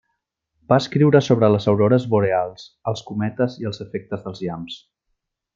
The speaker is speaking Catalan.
Va escriure sobre les aurores boreals, els cometes i els efectes dels llamps.